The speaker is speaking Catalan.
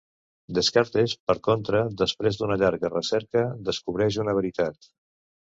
Descartes, per contra, després d'una llarga recerca, descobreix una veritat.